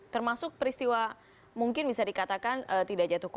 termasuk peristiwa mungkin bisa dikatakan tidak jatuhkan